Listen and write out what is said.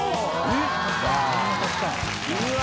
うわ！